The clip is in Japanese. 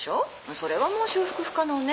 それはもう修復不可能ね。